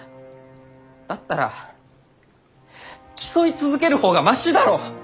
だったら競い続ける方がマシだろう！？